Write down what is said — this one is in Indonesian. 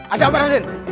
ada apa raden